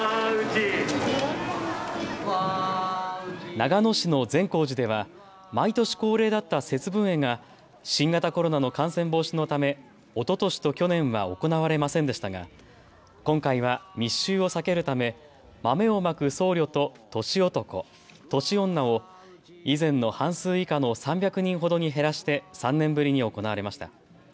長野市の善光寺では毎年恒例だった節分会が新型コロナの感染防止のためおととしと去年は行われませんでしたが今回は密集を避けるため豆をまく僧侶と年男、年女を以前の半数以下の３００人ほどに減らして３年ぶりに行われました。